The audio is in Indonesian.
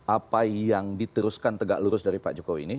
apa yang diteruskan tegak lurus dari pak jokowi ini